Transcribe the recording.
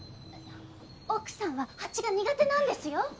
奥さんは蜂が苦手なんですよ！